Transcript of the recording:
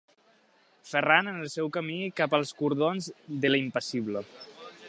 Ferran en el seu camí cap als cordons de l'impassible.